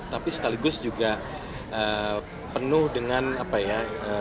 tapi sekaligus juga penuh dengan apa ya